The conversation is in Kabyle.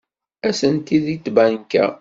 Atenti deg tbanka.